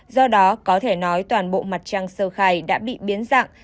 do đó có thể nói toàn bộ mặt trăng sơ khai đã bị biến dạng